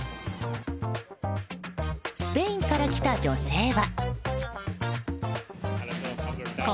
スペインから来た女性は。